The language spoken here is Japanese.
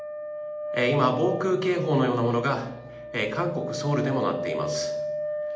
今、防空警報のようなものが韓国・ソウルでも鳴っています。